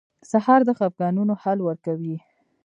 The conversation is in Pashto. سهار د خفګانونو حل ورکوي.